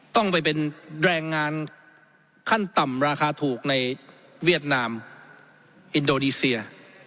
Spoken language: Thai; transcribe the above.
ต้องไปเป็นแรงงานขั้นต่ำราคาถูกในเวียดนามอินโดนีเซีย